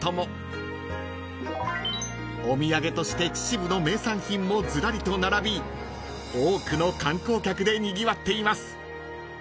［お土産として秩父の名産品もずらりと並び多くの観光客でにぎわっています］